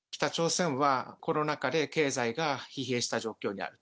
北朝鮮は、コロナ禍で経済が疲弊した状況にあると。